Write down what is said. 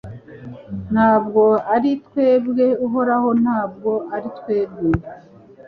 Nta bwo ari twebwe Uhoraho nta bwo ari twebwe